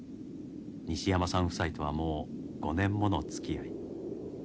西山さん夫妻とはもう５年ものつきあい。